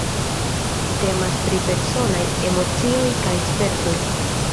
Temas pri personaj emocioj kaj spertoj.